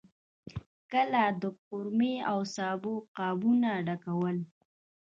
کله د قورمې او سابو قابونه ډکول.